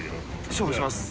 勝負します。